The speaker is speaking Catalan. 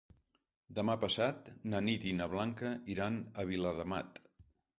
Demà passat na Nit i na Blanca iran a Viladamat.